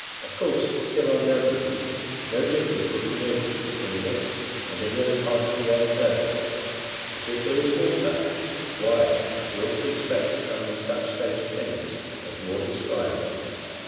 Of course, if there are mountains, no difference would be noticed between this and any other part of the earth's surface; but if there is water, why, we ought to expect some such state of things as More describes.